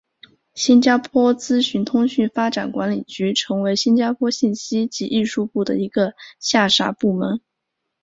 新加坡资讯通信发展管理局成为新加坡信息及艺术部的一个下辖部门。